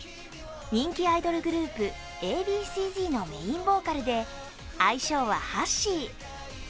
人気アイドルグループ・Ａ．Ｂ．Ｃ−Ｚのメインボーカルで愛称はハッシー。